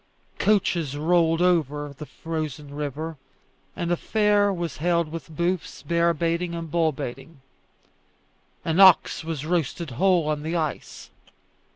Coaches rolled over the frozen river, and a fair was held with booths, bear baiting, and bull baiting. An ox was roasted whole on the ice.